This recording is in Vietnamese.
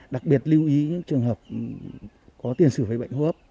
đặc biệt lưu ý những trường hợp có tiền xử với bệnh hô hấp